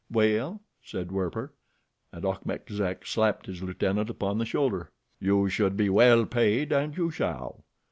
"Well said, Werper," and Achmet Zek slapped his lieutenant upon the shoulder. "You should be well paid and you shall.